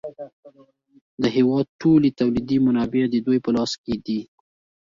د هېواد ټولې تولیدي منابع د دوی په لاس کې دي